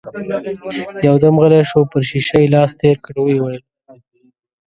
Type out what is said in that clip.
يودم غلی شو، پر شيشه يې لاس تېر کړ، ويې ويل: